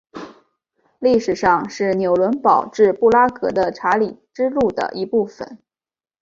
历史上是纽伦堡至布拉格的查理之路的一部份。